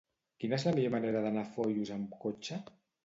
Quina és la millor manera d'anar a Foios amb cotxe?